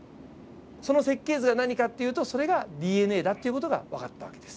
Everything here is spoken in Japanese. その設計図が何かっていうとそれがＤＮＡだっていう事が分かった訳です。